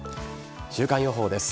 週間予報です。